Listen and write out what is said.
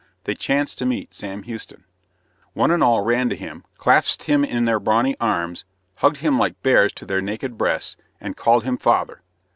They chanced to meet Sam Houston. One and all ran to him, clasped him in their brawny arms, hugged him like bears to their naked breasts, and called him "father."